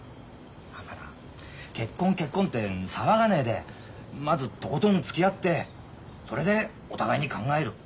だから結婚結婚って騒がねえでまずとことんつきあってそれでお互いに考える。